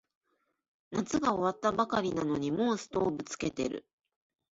夏が終わったばかりなのにもうストーブつけてる